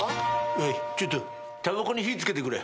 おいちょっとたばこに火付けてくれ。